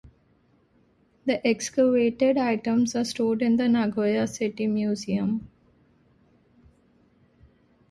The excavated items are stored in the Nagoya City Museum.